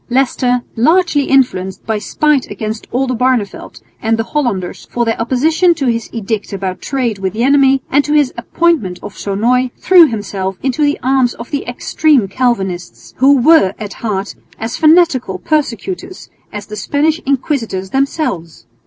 Leicester, largely influenced by spite against Oldenbarneveldt and the Hollanders for their opposition to his edict about trade with the enemy and to his appointment of Sonoy, threw himself into the arms of the extreme Calvinists, who were at heart as fanatical persecutors as the Spanish inquisitors themselves.